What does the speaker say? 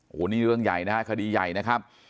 โหนี่เรื่องใหญ่นะครับคดีใหญ่นะครับ